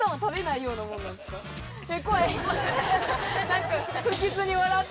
何か。